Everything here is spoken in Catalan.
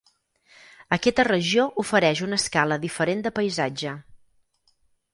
Aquesta regió ofereix una escala diferent de paisatge.